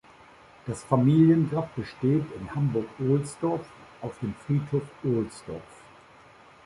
Das Familiengrab besteht in Hamburg-Ohlsdorf auf dem Friedhof Ohlsdorf.